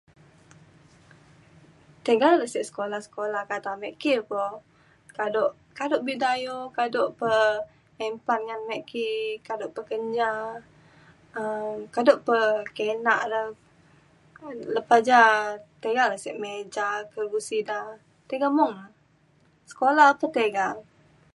tiga le sek sekula sekula kata me ki uko kado kado Bidayuh kado pa impan ngan me ki kado pa Kenyah um kado pe kinak re lepa ja tiga le sek me ja ke busi da tiga mung na sekula pe tiga